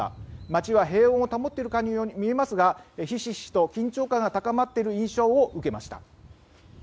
町は平穏を保っているかのように見えますがひしひしと緊張感が高まっている印象を受けました。